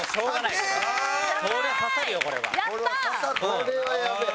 これはやべえ。